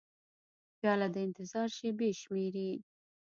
پیاله د انتظار شېبې شمېري.